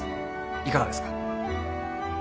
いかがですか？